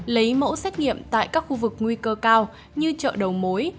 lấy mẫu xét nghiệm tại các khu vực nguy cơ cao như chợ đầu mối